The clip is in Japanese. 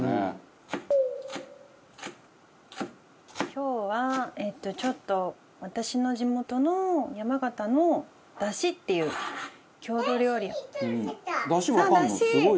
今日はちょっと私の地元の山形のだしっていう郷土料理。